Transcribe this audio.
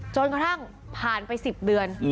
จนกระทั่งผ่านไป๑๐เดือน